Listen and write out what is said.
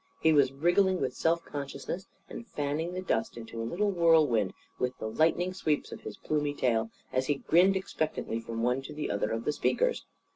He was wriggling with self consciousness and fanning the dust into a little whirlwind with the lightning sweeps of his plumy tail; as he grinned expectantly from one to the other of the speakers.